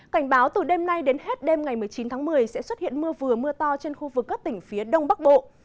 cảnh báo từ đêm nay đến hết đêm ngày một mươi chín tháng một mươi sẽ xuất hiện mưa vừa mưa to trên khu vực các tỉnh phía đông bắc bộ